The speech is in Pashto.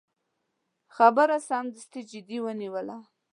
خبره سمدستي جدي ونیوله.